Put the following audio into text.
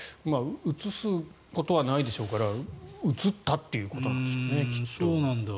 映すことはないでしょうから映ったっていうことなんでしょうねきっと。